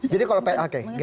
jadi kalau pki